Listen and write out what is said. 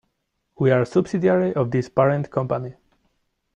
We are a subsidiary of this parent company.